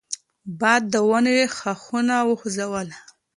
باد د ونې ښاخونه وخوځول.